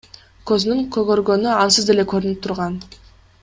Көзүнүн көгөргөнү ансыз деле көрүнүп турган.